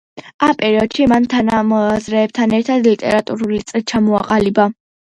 ამ პერიოდში მან თანამოაზრეებთან ერთად ლიტერატურული წრე ჩამოაყალიბა.